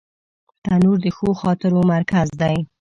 تنور د ښو خاطرو مرکز دی